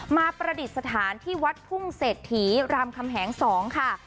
ประดิษฐานที่วัดทุ่งเศรษฐีรามคำแหง๒ค่ะ